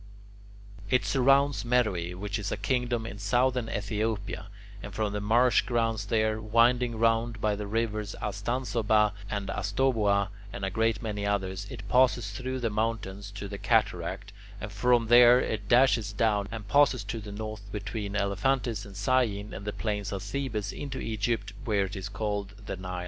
It surrounds Meroe, which is a kingdom in southern Ethiopia, and from the marsh grounds there, winding round by the rivers Astansoba and Astoboa and a great many others, it passes through the mountains to the Cataract, and from there it dashes down, and passes to the north between Elephantis and Syene and the plains of Thebes into Egypt, where it is called the Nile.